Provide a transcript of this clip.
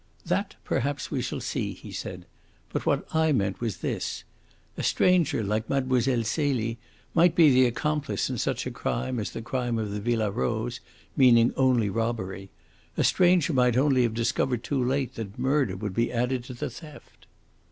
"That perhaps we shall see," he said. "But what I meant was this. A stranger like Mlle. Celie might be the accomplice in such a crime as the crime of the Villa Rose, meaning only robbery. A stranger might only have discovered too late that murder would be added to the theft."